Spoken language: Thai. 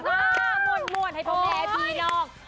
ว้าวมวดมวดให้พร้อมแพทย์ดีนอก